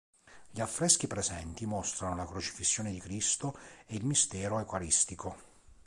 Gli affreschi presenti mostrano la crocifissione di Cristo e il mistero eucaristico.